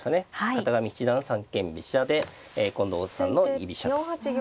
片上七段三間飛車で近藤さんの居飛車と。